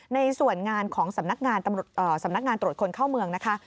ในส่วนงานของสำนักงานตรวจคนเข้าเมืองนะคะ